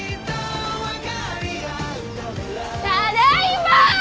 ただいま！